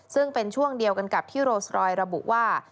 ซึ่งเป็นช่วงเดียวกันกับที่โรสรอยระบุว่า